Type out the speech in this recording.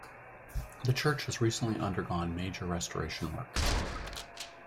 The church has recently undergone major restoration work.